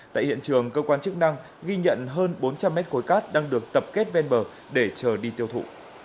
tại hiện trường cơ quan chức năng ghi nhận hơn bốn trăm linh mét khối cát đang được tập kết ven bờ để chờ đi tiêu thụ